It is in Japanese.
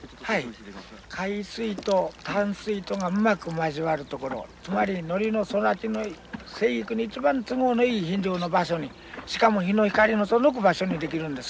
はい海水と淡水とがうまく交わる所つまりノリの育ちの生育に一番都合のいい場所にしかも日の光の届く場所に出来るんですね。